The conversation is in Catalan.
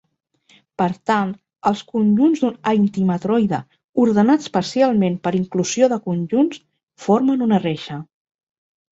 Per tant, els conjunts d'un aintimatroide, ordenats parcialment per inclusió de conjunts, formen una reixa.